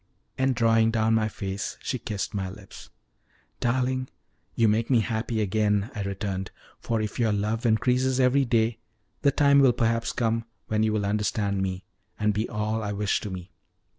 And drawing down my face she kissed my lips. "Darling, you make me happy again," I returned, "for if your love increases every day, the time will perhaps come when you will understand me, and be all I wish to me."